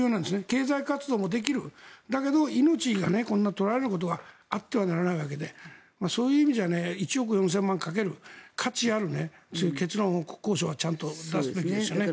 経済活動もできるだけど命が取られることがあってはならないわけでそういう意味じゃ１億４０００万円をかける価値ある結論を、国交省はちゃんと出すべきですよね。